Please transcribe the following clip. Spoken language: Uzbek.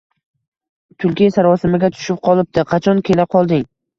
Tulki sarosimaga tushib qolibdi: Qachon kela qolding?